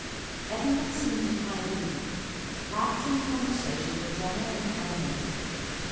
Every one seemed in high glee; laughter and conversation were general and animated.